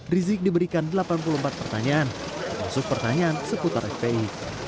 rizik diberikan delapan puluh empat pertanyaan termasuk pertanyaan seputar fpi